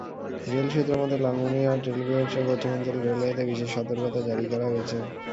Rail সূত্রমতে, Lalmonirhat rail বিভাগসহ পশ্চিমাঞ্চল রেলওয়েতে বিশেষ সতর্কতা জারি করা হয়েছে।